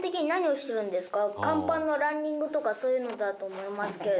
甲板のランニングとかそういうのだと思いますけど。